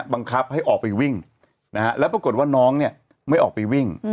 บังคับให้ออกไปวิ่งนะฮะแล้วปรากฏว่าน้องเนี่ยไม่ออกไปวิ่ง